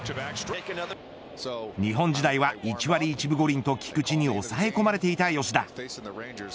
日本時代は１割１分５厘と菊池に抑え込まれていた吉田。